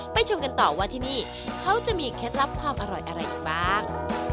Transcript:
ชมกันต่อว่าที่นี่เขาจะมีเคล็ดลับความอร่อยอะไรอีกบ้าง